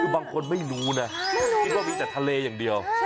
บางคนไม่รู้นะที่ก็มีแต่ทะเลอย่างเดียว